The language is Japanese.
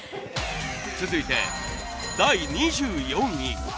続いて第２４位。